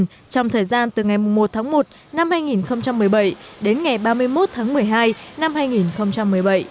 trong thời gian từ ngày một tháng một năm hai nghìn một mươi bảy đến ngày ba mươi một tháng một mươi hai năm hai nghìn một mươi bảy